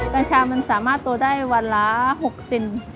กัญชามันสามารถโตได้วันละ๖เซน